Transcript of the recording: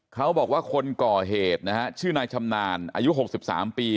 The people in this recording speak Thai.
เขาบอกว่าคนก่อเหตุนะฮะชื่อนายชำนาญอายุ๖๓ปี